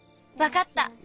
わかった。